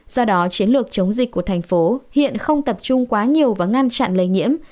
do đó chiến lược chống dịch của thành phố hiện không tập trung quá nhiều vào ngăn chặn lây nhiễm